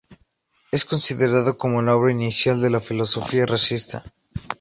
Es considerado como la obra inicial de la filosofía racista.